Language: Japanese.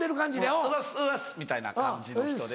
「っすっす」みたいな感じの人で。